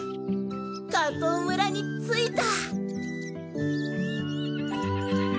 加藤村に着いた！